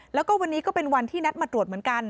แล้วก็วันนี้ก็เป็นวันที่นัดมาตรวจเหมือนกัน